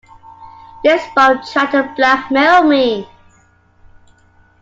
This bum tried to blackmail me!